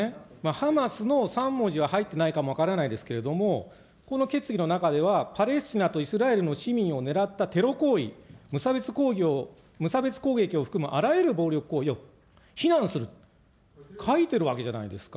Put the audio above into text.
ハマスの３文字は入ってないかも分からないですけれども、この決議の中では、パレスチナとイスラエルの市民を狙ったテロ行為、無差別攻撃を含むあらゆる暴力行為を非難する、書いているわけじゃないですか。